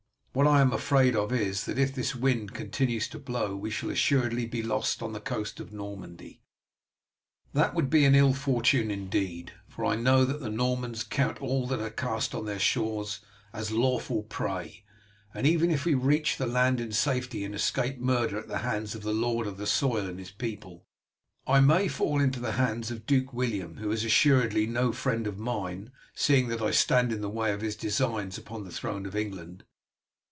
What I am afraid of is, that if this wind continues to blow we shall assuredly be lost on the coast of Normandy." "That would be an ill fortune, indeed, for I know that the Normans count all that are cast on their shores as lawful prey; and even if we reach the land in safety and escape murder at the hands of the lord of the soil and his people, I may fall into the hands of Duke William, who is assuredly no friend of mine, seeing that I stand in the way of his designs upon the throne of England.